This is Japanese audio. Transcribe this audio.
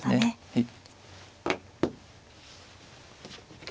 はい。